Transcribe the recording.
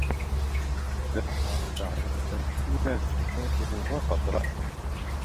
دعا دعوة الحبلى زباب وقد رأى